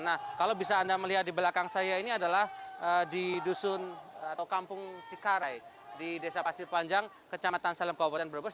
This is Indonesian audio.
nah kalau bisa anda melihat di belakang saya ini adalah di dusun atau kampung cikarai di desa pasir panjang kecamatan salem kabupaten brebes